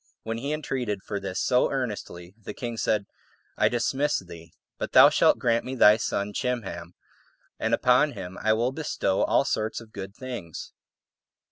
When he entreated for this so earnestly, the king said, "I dismiss thee, but thou shalt grant me thy son Chimham, and upon him I will bestow all sorts of good things."